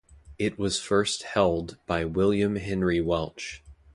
It was first held by William Henry Welch.